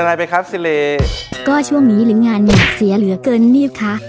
เบรนไนน่ไปครับซิริก็ช่วงนี้หรืองันน่ะเศียบเหลือเกินนี้ค่ะ